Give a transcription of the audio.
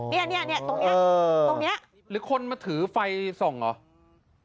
อ๋อนี่ตรงเนี้ยตรงเนี้ยหรือคนมาถือไฟส่งเหรอ